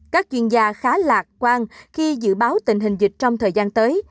các chuyên gia khá lạc quan khi dự báo tình hình dịch trong thời gian tới